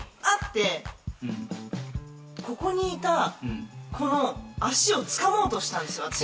てここにいた子の足を掴もうとしたんですよ。